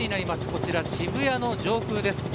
こちら、渋谷の上空です。